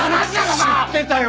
知ってたよ